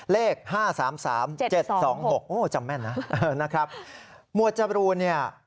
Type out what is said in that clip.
เลข๕๓๓๗๒๖โอ้จำแม่นนะนะครับหมวดจบรูนเนี่ย